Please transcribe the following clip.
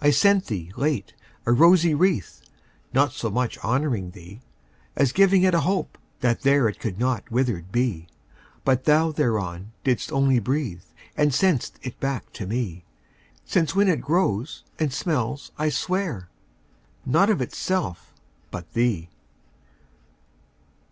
I sent thee, late, a rosy wreath, Not so much honouring thee, As giving it a hope, that there It could not withered be. But thou thereon didst only breathe, And sent'st back to me: Since when it grows, and smells, I swear, Not of itself, but thee.